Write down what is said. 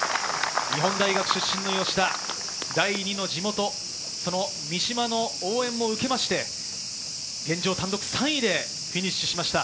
日本大学出身の吉田、第２の地元・三島の応援も受けて、現状単独３位でフィニッシュしました。